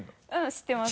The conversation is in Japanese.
知ってます。